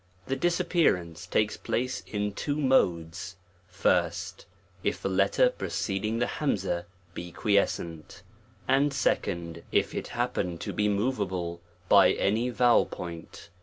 The disappearance takes place in two modes ; first, if the letter preceding the humzah be quiescent ; and second, if it Jjappen to be moveable, by any vowel point.